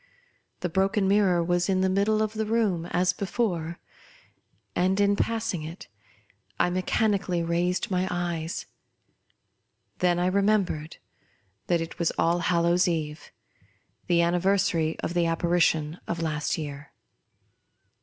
The broken mirror was in the middle of the room, as bo CHiarles Diekena.] OVER THE WAY'S STORY. *417 fore, and, in passing it, I mechanically raised my eyes. Then I remembered that it was Allhallovv's eve, the anniversary of the appa rition of last year.